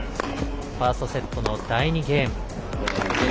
ファーストセットの第２ゲーム。